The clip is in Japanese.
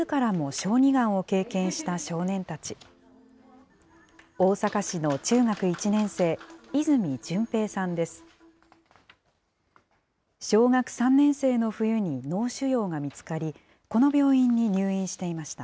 小学３年生の冬に脳腫瘍が見つかり、この病院に入院していました。